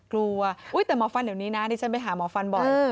กลัวแต่หมอฟันเดี๋ยวนี้นะดิฉันไปหาหมอฟันบ่อย